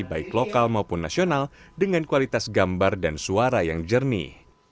baik lokal maupun nasional dengan kualitas gambar dan suara yang jernih